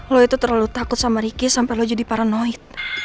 lo itu terlalu takut sama ricky sampai lo jadi paranoid